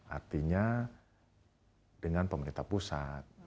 artinya dengan pemerintah pusat